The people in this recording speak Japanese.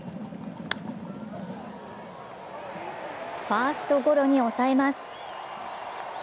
ファーストゴロに抑えます。